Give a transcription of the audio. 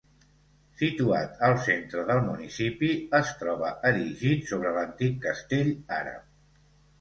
Situat al centre del municipi, es troba erigit sobre l'antic castell àrab.